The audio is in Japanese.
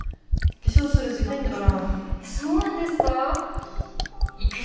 化粧する時間もないんだから。